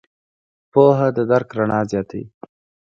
پوهه د درک رڼا زیاتوي.